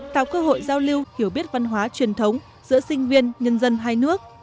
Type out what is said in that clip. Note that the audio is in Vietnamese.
tạo cơ hội giao lưu hiểu biết văn hóa truyền thống giữa sinh viên nhân dân hai nước